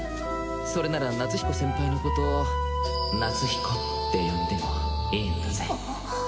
それなら夏彦先輩のこと夏彦って呼んでもいいんだぜ？